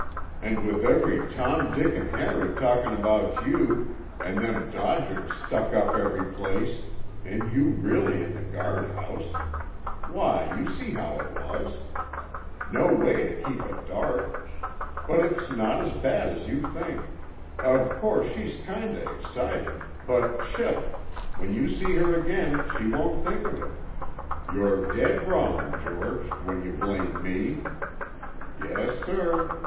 And with every Tom, Dick 'n' Harry talkin' about you, and them dodgers stuck up every place, and you really in the guardhouse—why, you see how it was. No way to keep it dark. But it's not as bad as you think. Of course she's kinda excited—but, pshaw! When you see her again she won't think of it. You're dead wrong, George, when you blame me. Yes, sir.